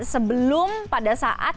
sebelum pada saat